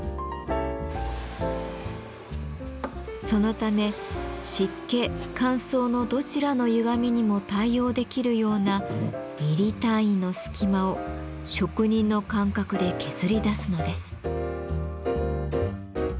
そのため湿気乾燥のどちらのゆがみにも対応できるようなミリ単位の隙間を職人の感覚で削り出すのです。